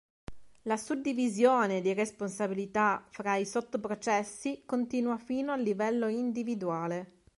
La suddivisione di responsabilità fra i sotto-processi continua fino al livello individuale.